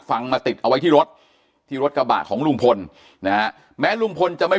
มาติดเอาไว้ที่รถที่รถกระบะของลุงพลนะฮะแม้ลุงพลจะไม่